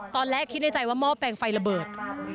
ตอนแรกคิดในใจว่าหม้อแปลงไฟระเบิด